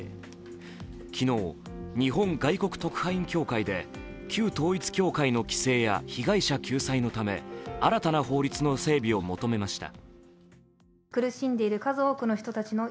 昨日、日本外国特派員協会で旧統一教会の規制や被害者救済のため新たな法律の整備を求めました。